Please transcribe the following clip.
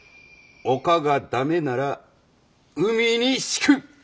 陸が駄目なら海に敷く！